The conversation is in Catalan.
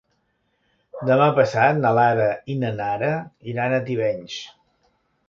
Demà passat na Lara i na Nara iran a Tivenys.